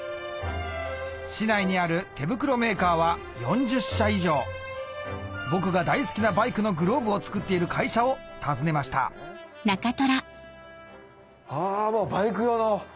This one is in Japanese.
市内にある手袋メーカーは４０社以上僕が大好きなバイクのグローブを作っている会社を訪ねましたあバイク用の。